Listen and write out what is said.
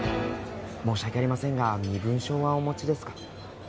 申し訳ありませんが身分証はお持ちですか？